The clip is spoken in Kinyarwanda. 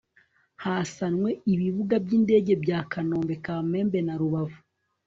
hasanwe ibibuga by' indege bya kanombe, kamembe na rubavu